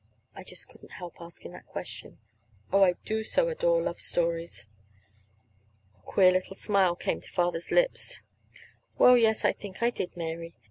I just couldn't help asking that question. Oh, I do so adore love stories! A queer little smile came to Father's lips. "Well, yes, I think I did, Mary.